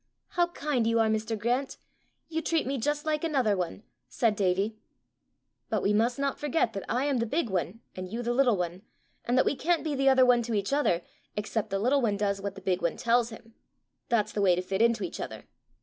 "How kind you are, Mr. Grant! You treat me just like another one!" said Davie. "But we must not forget that I am the big one and you the little one, and that we can't be the other one to each other except the little one does what the big one tells him! That's the way to fit into each other."